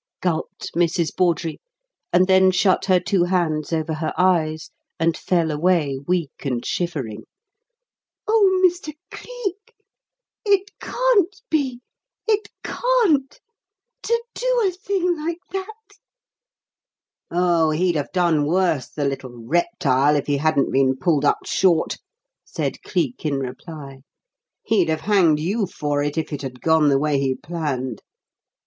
gulped Mrs. Bawdrey, and then shut her two hands over her eyes and fell away weak and shivering. "Oh, Mr. Cleek, it can't be it can't! To do a thing like that?" "Oh, he'd have done worse, the little reptile, if he hadn't been pulled up short," said Cleek in reply. "He'd have hanged you for it, if it had gone the way he planned.